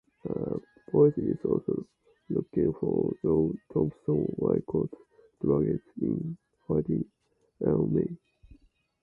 Boyd is also looking for Drew Thompson while Colt struggles in finding Ellen May.